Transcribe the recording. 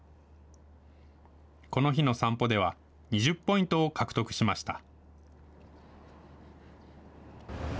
この日の散歩では、２０ポイントを獲得しました。